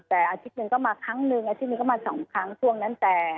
แต่อาทิตย์หนึ่งก็มาครั้งหนึ่งอาทิตย์หนึ่งก็มาสองครั้งช่วงนั้นแต่